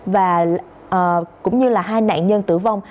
và cũng như là hai nạn nhân tử vong